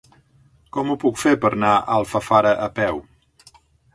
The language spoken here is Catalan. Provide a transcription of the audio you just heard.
Com ho puc fer per anar a Alfafara a peu?